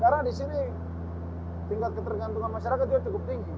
karena di sini tingkat ketergantungan masyarakat cukup tinggi